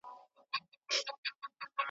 چي خپل کاروان مو د پردیو پر سالار سپارلی ,